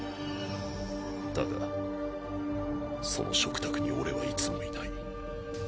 だがその食卓に俺はいつもいない。